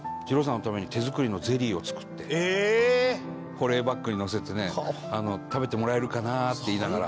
保冷バッグにのせてね「食べてもらえるかな？」って言いながら。